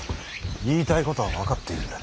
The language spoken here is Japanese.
言いたいことは分かっている。